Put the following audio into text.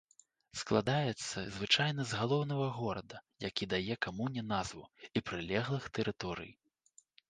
Складаецца звычайна з галоўнага горада, які дае камуне назву, і прылеглых тэрыторый.